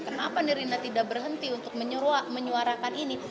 kenapa nirina tidak berhenti untuk menyuarakan ini